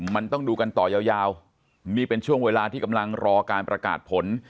มันต้องดูกันต่อยาวนี่เป็นช่วงเวลาที่กำลังรอการประกาศผล